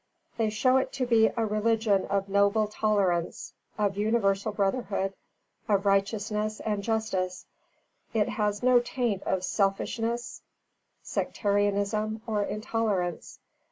They show it to be a religion of noble tolerance, of universal brotherhood, of righteousness and justice. It has no taint of selfishness, sectarianism or intolerance.